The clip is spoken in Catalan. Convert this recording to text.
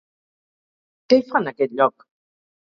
Què hi fa en aquest lloc?